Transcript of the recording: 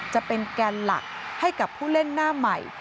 จะเป็นแกนหลักให้กับผู้เล่นหน้าใหม่